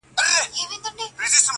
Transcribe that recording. له خوښیو په جامو کي نه ځاېږي,